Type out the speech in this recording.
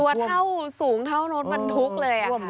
ตัวเท่าสูงเท่ารถบรรทุกเลยอะค่ะ